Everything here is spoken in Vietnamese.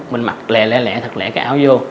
mình mặc lẹ lẹ lẹ thật lẹ cái áo vô